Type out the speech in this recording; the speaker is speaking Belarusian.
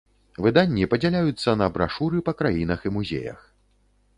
Выданні падзяляюцца на брашуры па краінах і музеях.